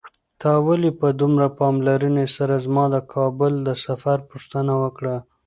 تا ولې په دومره پاملرنې سره زما د کابل د سفر پوښتنه وکړه؟